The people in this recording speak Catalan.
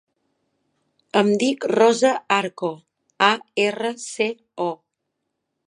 Em dic Rosa Arco: a, erra, ce, o.